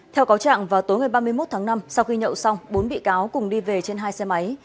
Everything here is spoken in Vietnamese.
theo cáo trạng vào tối ngày ba mươi một tháng năm sau khi nhậu xong bốn bị cáo cùng đi về trên hai xe máy